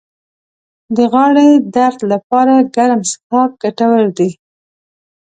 د غاړې درد لپاره ګرم څښاک ګټور دی